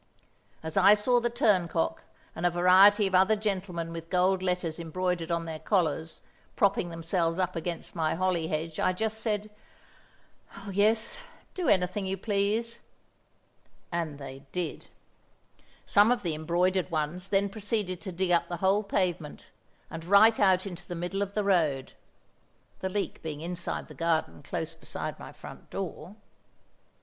As I saw the turncock and a variety of other gentlemen with gold letters embroidered on their collars, propping themselves up against my holly hedge, I just said, "Oh, yes; do anything you please." And they did. Some of the embroidered ones then proceeded to dig up the whole pavement, and right out into the middle of the road (the leak being inside the garden, close beside my front door!).